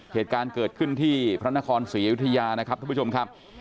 เหตุการณ์เกิดขึ้นที่พระนครศรีอยุธยานะครับทุกผู้ชมครับ